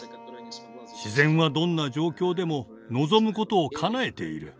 自然はどんな状況でも望むことをかなえている。